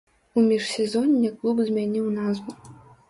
У міжсезонне клуб змяніў назву.